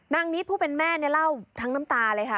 นางนิดผู้เป็นแม่เล่าทั้งน้ำตาเลยค่ะ